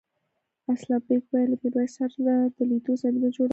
اسلم بېگ وویل له میرويس سره د لیدو زمینه جوړه کړه.